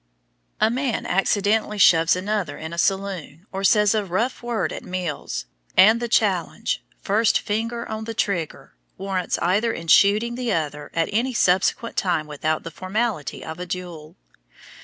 A man accidentally shoves another in a saloon, or says a rough word at meals, and the challenge, "first finger on the trigger," warrants either in shooting the other at any subsequent time without the formality of a duel.